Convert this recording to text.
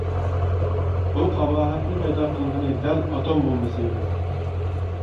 بۇ قاباھەتنى پەيدا قىلغىنى دەل ئاتوم بومبىسى ئىدى.